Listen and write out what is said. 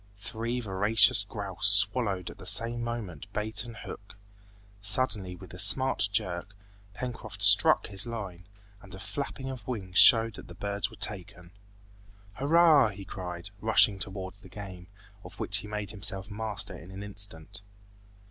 Three voracious grouse swallowed at the same moment bait and hook. Suddenly with a smart jerk, Pencroft "struck" his line, and a flapping of wings showed that the birds were taken. "Hurrah!" he cried, rushing towards the game, of which he made himself master in an instant.